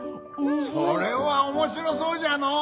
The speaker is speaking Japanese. それはおもしろそうじゃのう！